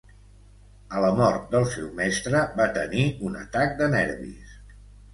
A la mort del seu mestre, va tenir un atac de nervis.